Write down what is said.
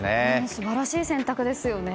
素晴らしい選択ですよね。